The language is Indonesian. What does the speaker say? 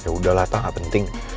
ya udahlah tak penting